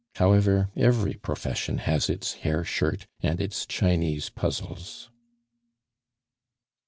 However, every profession has its hair shirt and its Chinese puzzles.